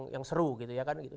yang seru gitu ya kan gitu